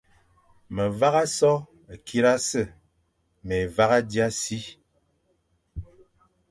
Me vagha so kirase, mé vagha dia si,